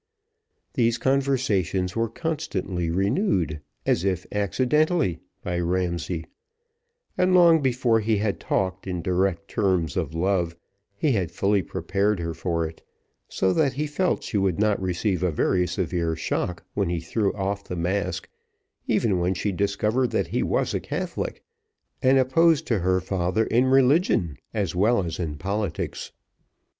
These conversations were constantly renewed, as if accidentally, by Ramsay; and long before he had talked in direct terms of love, he had fully prepared her for it, so that he felt she would not receive a very severe shock when he threw off the mask, even when she discovered that he was a Catholic, and opposed to her father in religion as well as in politics.